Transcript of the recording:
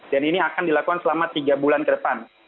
dan ini akan dilakukan selama tiga bulan ke depan